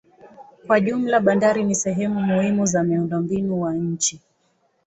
Kwa jumla bandari ni sehemu muhimu za miundombinu wa nchi.